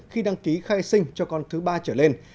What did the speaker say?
khai sinh cho con thứ ba trở lên